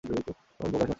Om Prakash Makhija.